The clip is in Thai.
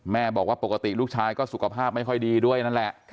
แม่บอกว่าปกติลูกชายก็สุขภาพไม่ค่อยดีด้วยนั่นแหละ